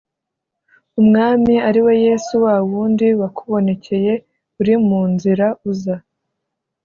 Umwami ari we yesu wa wundi wakubonekeye uri mu nzira uza